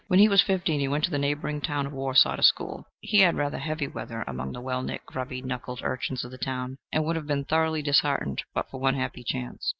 When he was fifteen he went to the neighboring town of Warsaw to school. He had rather heavy weather among the well knit, grubby knuckled urchins of the town, and would have been thoroughly disheartened but for one happy chance.